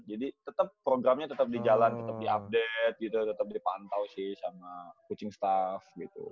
jadi programnya tetep di jalan tetep di update gitu tetep dipantau sih sama coaching staff gitu